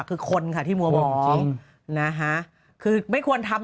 คือคนค่ะที่มัวหมองนะคะคือไม่ควรทำ